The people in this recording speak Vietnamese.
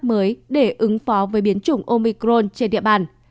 mới để ứng phó với biến chủng omicron trên địa bàn